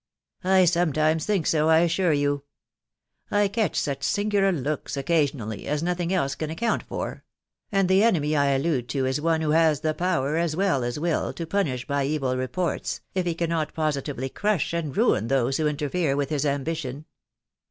'< I sometimes think so, I assure you. •.. I catch such singular looks occasionally, as nothing else can account for ; and the enemy I allude to is one who has power, as well as will, to punish by evil reports, if he cannot positively crush and ruin those who interfere with his ambition."